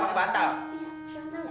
jangan jangan jangan